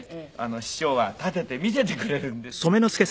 師匠が立てて見せてくれるんです。